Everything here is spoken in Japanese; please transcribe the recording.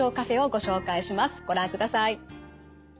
ご覧ください。